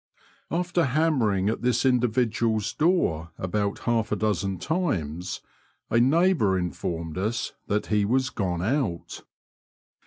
After hammering at this individual's door about half a dozen times, a neighbour informed us that he was gone out.